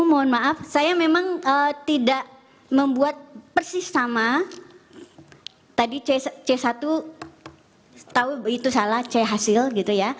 mohon maaf saya memang tidak membuat persis sama tadi c satu tahu itu salah c hasil gitu ya